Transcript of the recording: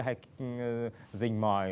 hay dình mòi